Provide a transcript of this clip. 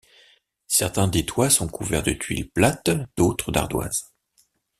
Certains des toits sont couverts de tuiles plates, d'autres d'ardoises.